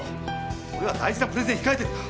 俺は大事なプレゼン控えてるんだ。